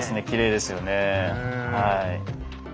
きれいですよね。